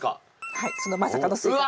はいそのまさかのスイカです。